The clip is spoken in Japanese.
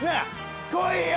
来いよ。